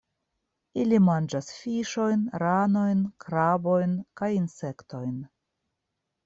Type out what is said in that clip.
Ili manĝas fiŝojn, ranojn, krabojn kaj insektojn.